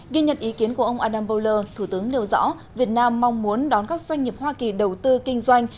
ghi nhận ý kiến của ông adam boller thủ tướng nêu rõ việt nam mong muốn đón các doanh nghiệp hoa kỳ đầu tư kinh doanh